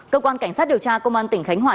cơ quan cảnh sát điều tra công an tỉnh khánh hòa